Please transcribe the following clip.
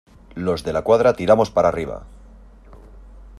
¡ los De la Cuadra tiramos para arriba!